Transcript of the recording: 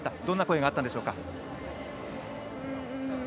どんな声があったんでしょうか。